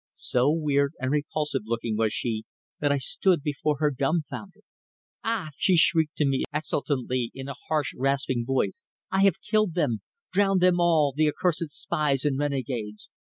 So weird and repulsive looking was she that I stood before her dumbfounded. "Ah!" she shrieked to me exultantly, in a harsh, rasping voice, "I have killed them drowned them all, the accursed spies and renegades!